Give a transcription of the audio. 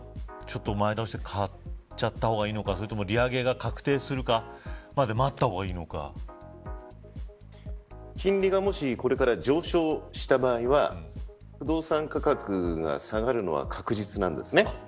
今、前倒し買っちゃった方がいいのかそれとも利上げが確定するまで待った方が金利がもしこれから上昇した場合は不動産価格が下がるのは確実なんですね。